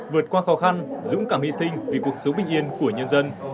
vượt qua khó khăn dũng cảm hy sinh vì cuộc sống bình yên của nhân dân